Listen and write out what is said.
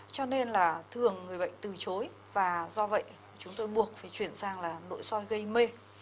cho nên là thường người bệnh từ chối và do vậy chúng tôi buộc phải chuyển sang là nội soi gây mê